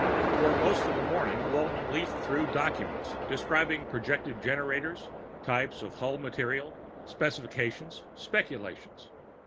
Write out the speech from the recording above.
For most of the morning Walton leafed through documents describing projected generators, types of hull material, specifications, speculations.